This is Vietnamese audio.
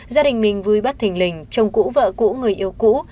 gia đình mình vui bắt thình lình chồng cũ vợ cũ người yêu cũ